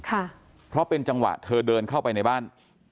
ค่ะเพราะเป็นจังหวะเธอเดินเข้าไปในบ้าน